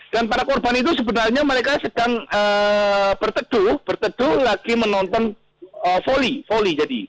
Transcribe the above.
dan para korban itu sebenarnya mereka sedang berteduh lagi menonton volley